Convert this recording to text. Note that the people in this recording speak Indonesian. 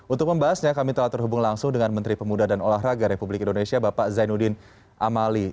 untuk membahasnya kami telah terhubung langsung dengan menteri pemuda dan olahraga republik indonesia bapak zainuddin amali